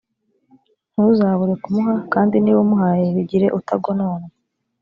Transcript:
ntuzabure kumuha, kandi niba umuhaye, bigire utagononwa;